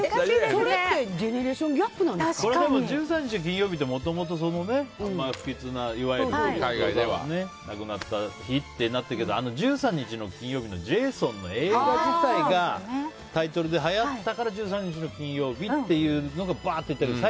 それってジェネレーションギャップ１３日の金曜日っていわゆる不吉な日ってなってたけど「１３日の金曜日」ってジェイソンの映画自体がタイトルではやったから１３日の金曜日っていうのがばーってなったけど。